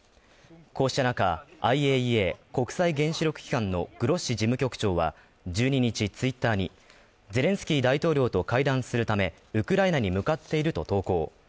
こうした中、ＩＡＥＡ＝国際原子力機関のグロッシ事務局長は１２日ツイッターにゼレンスキー大統領と会談するため、ウクライナに向かっていると投稿。